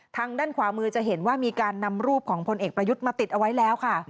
ทางด้านขวามือจะเห็นว่ามีการนำรูปของพลเอกประยุทธ์มาติดเอาไว้แล้วค่ะ